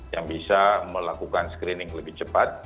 yang bisa melakukan screening lebih cepat